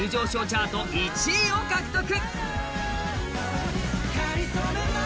チャート１位を獲得。